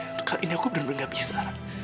itu kali ini aku benar benar gak bisa